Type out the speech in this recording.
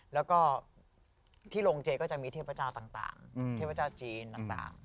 แล้วก็ที่โรงเจก็จะมีเทพเจ้าต่างเทพเจ้าจีนต่าง